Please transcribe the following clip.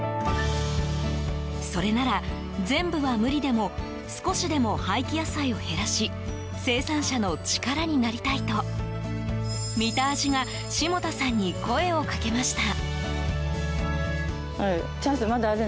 それなら全部は無理でも少しでも廃棄野菜を減らし生産者の力になりたいとみたあじが霜多さんに声をかけました。